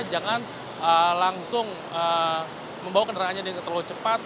jangan langsung membawa kendaraannya terlalu cepat